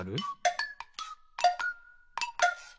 ピッ！